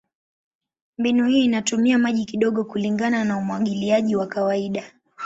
Mbinu hii inatumia maji kidogo kulingana na umwagiliaji wa kawaida.